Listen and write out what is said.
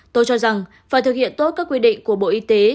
tôi cho rằng phải thực hiện tốt các quy định của bộ y tế